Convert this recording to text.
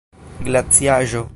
glaciaĵo